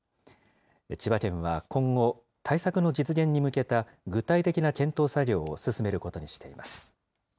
千葉県は今後、対策の実現に向けた具体的な検討作業を進めることにしています。